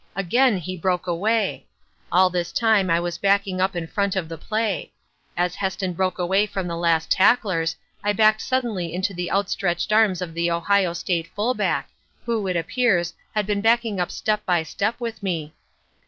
Again he broke away. All this time I was backing up in front of the play. As Heston broke away from the last tacklers, I backed suddenly into the outstretched arms of the Ohio State fullback, who, it appears, had been backing up step by step with me.